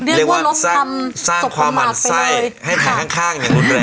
เรียกว่ารถสร้างความหมั่นไซส์ให้แขนข้างแบบนู้นเลย